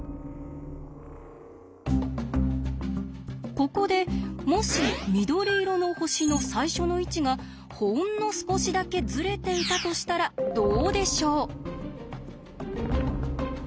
ここでもし緑色の星の最初の位置がほんの少しだけズレていたとしたらどうでしょう？